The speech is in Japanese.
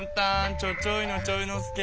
ちょちょいのちょいのすけ。